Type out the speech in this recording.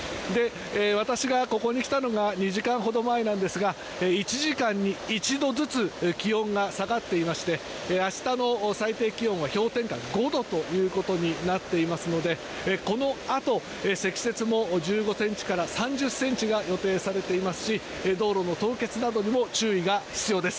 私がここに来たのが２時間ほど前なんですが１時間に１度ずつ気温が下がっていまして明日の最低気温は氷点下５度となっていますのでこのあと積雪も１５ｃｍから３０ｃｍが予定されていますし道路の凍結などにも注意が必要です。